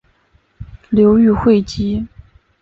流寓会稽。